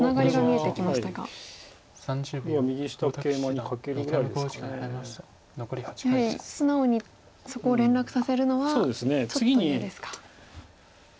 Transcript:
やはり素直にそこを連絡させるのはちょっと嫌ですか。